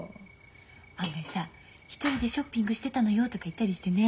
案外さ一人でショッピングしてたのよとか言ったりしてね。